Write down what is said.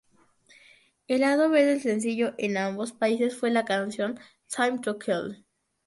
El lado B del sencillo en ambos países fue la canción "Time to Kill".